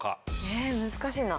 え難しいな。